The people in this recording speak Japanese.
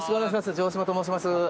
城島と申します。